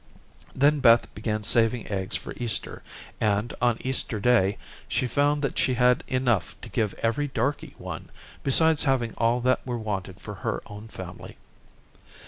Then Beth began saving eggs for Easter, and, on Easter Day, she found that she had enough to give every darky one, besides having all that were wanted for her own family.